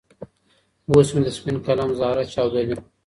اوس مي د سپين قلم زهره چاودلې